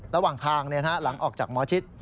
ระหว่างทางหลังออกจากหมอชิด